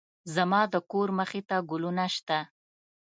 زما د کور مخې ته ګلونه شته